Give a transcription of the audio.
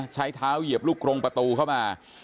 ใช้เท้าเหยียบลูกกรงประตูเข้ามา